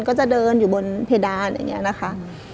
ก็จะเดินอยู่บนเพดานอย่างนี้นะคะ